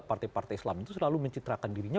partai partai islam itu selalu mencitrakan dirinya